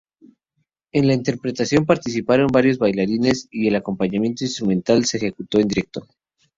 En la interpretación participaron varios bailarines y el acompañamiento instrumental se ejecutó en directo.